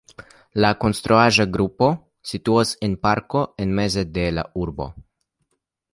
La konstruaĵo-grupo situas en parko en mezo de la urbo.